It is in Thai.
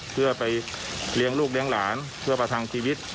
เพื่อไปเลี้ยงลูกเลี้ยงหลานเพื่อประทังชีวิต